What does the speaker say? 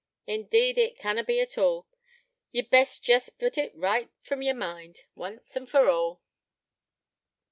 Indeed it canna be at all. Ye'd best jest put it right from yer mind, once and for all.'